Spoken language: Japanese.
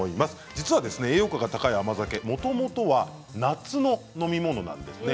実は栄養価が高い甘酒もともとは夏の飲み物なんですね。